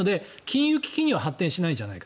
なので、金融危機には発展しないんじゃないか。